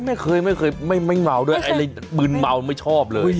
ไม่เคยไม่เคยไม่เมาด้วยอะไรมืนเมาไม่ชอบเลย